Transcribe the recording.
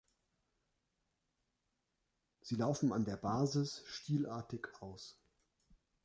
Sie laufen an der Basis stielartig aus.